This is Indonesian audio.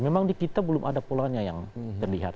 memang di kita belum ada polanya yang terlihat